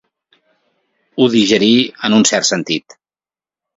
Ho digerí, en un cert sentit.